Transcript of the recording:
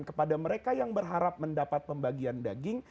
kepada mereka yang berharap mendapat pembagian daging